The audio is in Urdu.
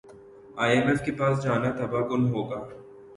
ئی ایم ایف کے پاس جانا تباہ کن ہوگا